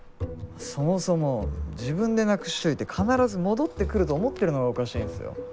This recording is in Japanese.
そもそも自分でなくしといて必ず戻ってくると思ってるのがおかしいんすよ。